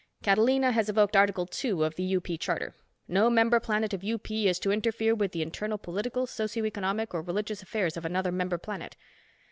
"Catalina has evoked Article Two of the UP Charter. No member planet of UP is to interfere with the internal political, socio economic or religious affairs of another member planet.